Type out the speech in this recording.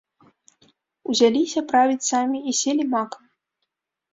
Узяліся правіць самі і селі макам.